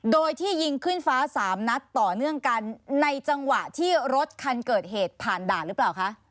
โดยที่ยิงขึ้นฟ้าสามนัดต่อเนื่องกันในจังหวะที่รถคันเกิดเหตุผ่านด่านหรือเปล่าคะ